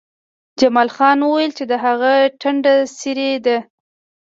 جمال خان وویل چې د هغه ټنډه څیرې ده